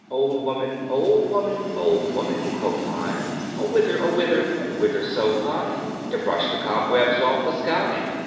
Old woman, old woman, old woman, quoth I, O whither, O whither, O whither so high? To brush the cobwebs off the sky!